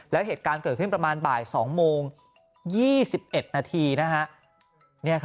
แล้วเหตุการณ์เกิดขึ้นประมาณบ่าย๒โมง๒๑นาทีนะฮะ